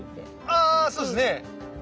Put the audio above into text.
あそうですね。